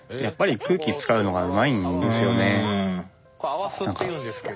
泡巣っていうんですけど。